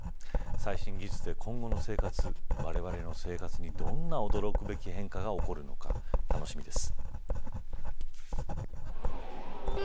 最新技術で今後の生活われわれの生活にどんな驚くべき変化が起こるのか楽しみです。